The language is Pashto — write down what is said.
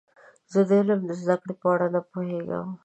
زه د علم د زده کړې په اړه نه پوهیږم.